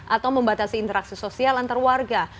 atau membatasi interaksi sosial antar warga